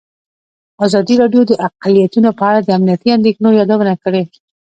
ازادي راډیو د اقلیتونه په اړه د امنیتي اندېښنو یادونه کړې.